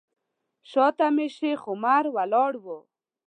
شاته مې شیخ عمر ولاړ و.